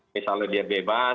misalnya dia bebas